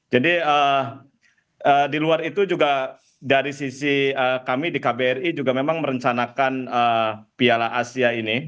jadi di luar itu juga dari sisi kami di kbri juga memang merencanakan piala asia ini